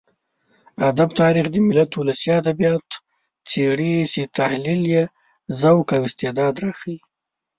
ادب تاريخ د ملت ولسي ادبيات څېړي چې تحليل يې ذوق او استعداد راښيي.